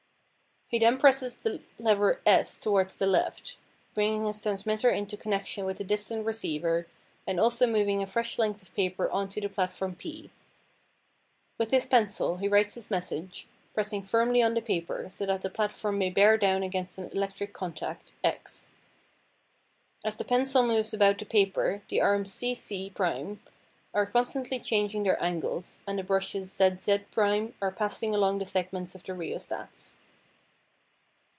He then presses the lever S towards the left, bringing his transmitter into connection with the distant receiver, and also moving a fresh length of paper on to the platform P. With his pencil he writes his message, pressing firmly on the paper, so that the platform may bear down against an electric contact, X. As the pencil moves about the paper the arms CC' are constantly changing their angles, and the brushes ZZ' are passing along the segments of the rheostats.